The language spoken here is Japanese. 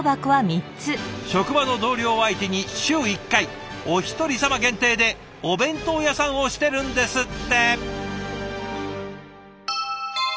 職場の同僚相手に週１回おひとりさま限定でお弁当屋さんをしてるんですって！